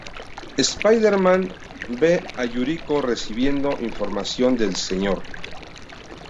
Spider-Man ve a Yuriko recibiendo información del Sr.